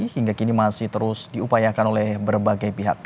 hingga kini masih terus diupayakan oleh berbagai pihak